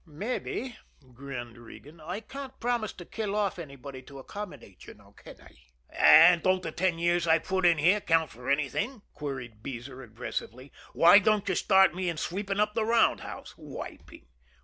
"Mabbe," grinned Regan. "I can't promise to kill off anybody to accommodate you, can I?" "And don't the ten years I've put in here count for anything?" queried Beezer aggressively. "Why don't you start me in sweeping up the round house? Wiping!